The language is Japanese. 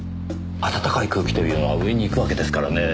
暖かい空気というのは上に行くわけですからねえ